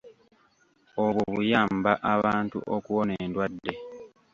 Obwo buyamba abantu okuwona endwadde.